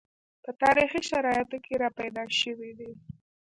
په تاریخي شرایطو کې راپیدا شوي دي